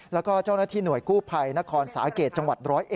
แล้วก็เจ้าหน้าที่หน่วยกู้ภัยนครสาเกตจังหวัด๑๐๑